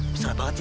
beserah banget ya